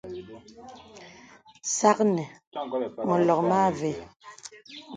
Sàknə məlɔk mə àvə.